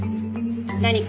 何か？